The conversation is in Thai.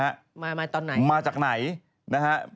มามาตอนไหนมาจากไหนนะฮะ